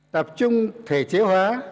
tập trung thể chế hóa